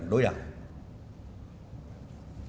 nếu như tình quốc tế